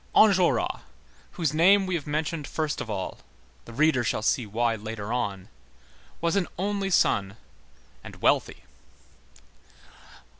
Enjolras, whose name we have mentioned first of all,—the reader shall see why later on,—was an only son and wealthy.